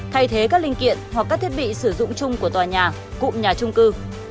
thay thế các linh kiện hoặc các thiết bị sử dụng chung của tòa nhà cụm nhà trung cư